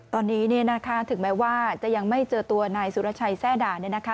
ตอนนี้เนี่ยนะคะถึงแม้ว่าจะยังไม่เจอตัวนายสุรชัยแทร่ด่าเนี่ยนะคะ